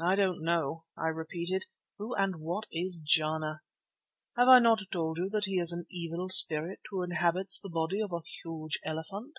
"I don't know," I repeated. "Who and what is Jana?" "Have I not told you that he is an evil spirit who inhabits the body of a huge elephant?"